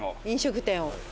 飲食店を。